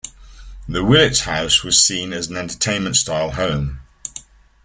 The Willits House was seen as an entertainment-style home.